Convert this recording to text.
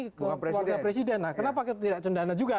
keluarga presiden nah kenapa kita tidak cendana juga